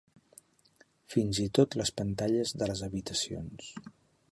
Fins i tot les pantalles de les habitacions.